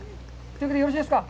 というわけでよろしいですか？